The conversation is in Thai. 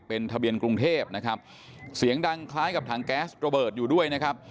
เป็นทะเบียนกรุงเทพนะครับเสียงดังคล้ายกับถังแก๊สระเบิดอยู่ด้วยนะครับ